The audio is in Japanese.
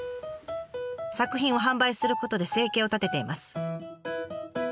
作品を販売することで生計を立てています。